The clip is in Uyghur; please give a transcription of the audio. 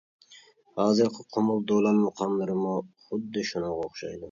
ھازىرقى قۇمۇل، دولان مۇقاملىرىمۇ خۇددى شۇنىڭغا ئوخشايدۇ.